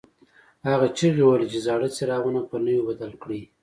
هغه چیغې وهلې چې زاړه څراغونه په نویو بدل کړئ.